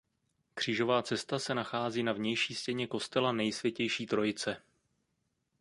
Křížová cesta se nachází na vnější stěně kostela Nejsvětější Trojice.